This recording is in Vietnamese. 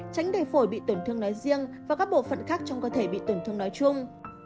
tránh để phổi bị tổn thương nói riêng và các bộ phận khác trong cơ thể bị tổn thương nói chung